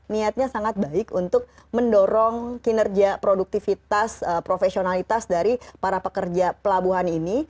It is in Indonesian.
niatnya sangat baik untuk mendorong kinerja produktivitas profesionalitas dari para pekerja pelabuhan ini